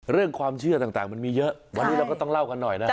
เรื่องความเชื่อต่างมันมีเยอะวันนี้เราก็ต้องเล่ากันหน่อยนะฮะ